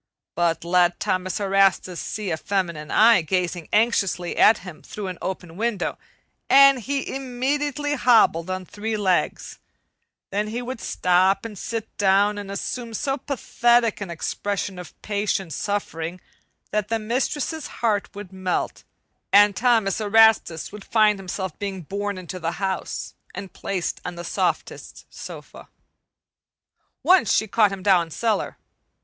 But let Thomas Erastus see a feminine eye gazing anxiously at him through an open window, and he immediately hobbled on three legs; then he would stop and sit down and assume so pathetic an expression of patient suffering that the mistress's heart would melt, and Thomas Erastus would find himself being borne into the house and placed on the softest sofa. Once she caught him down cellar.